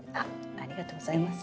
ありがとうございます。